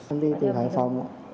em đi từ hải phòng